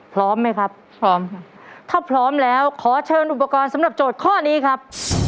พร้อมไหมครับพร้อมค่ะถ้าพร้อมแล้วขอเชิญอุปกรณ์สำหรับโจทย์ข้อนี้ครับ